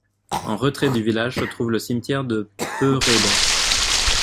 En retrait du village se trouve le cimetière de Pereybère.